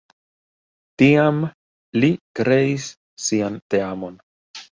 Tiam li kreis sian teamon.